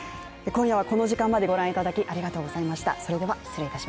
今夜はこの時間までご覧いただきありがとうございました。